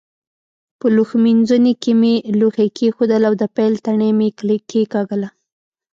په لوښ مینځوني کې مې لوښي کېښودل او د پیل تڼۍ مې کېکاږله.